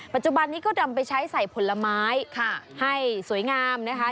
ปัจจุบันนี้ก็นำไปใช้ใส่ผลไม้ให้สวยงามนะคะ